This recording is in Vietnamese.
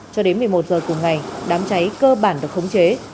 cho đến một mươi một h cùng ngày đám cháy cơ bản được khống chế